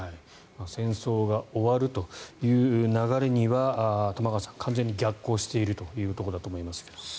戦争が終わるという流れには玉川さん、完全に逆行しているところだと思いますが。